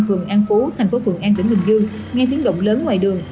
phường an phú tp thuận an tỉnh bình dương nghe tiếng động lớn ngoài đường